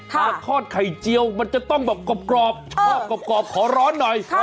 ถ้าทอดไข่เจียวมันจะต้องแบบกรอบชอบกรอบขอร้อนหน่อย